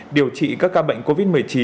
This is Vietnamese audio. điều trị các ca bệnh covid một mươi chín